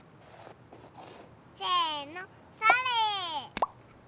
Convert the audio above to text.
せのそれ！